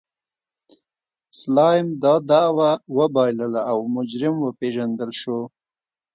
سلایم دا دعوه وبایلله او مجرم وپېژندل شو.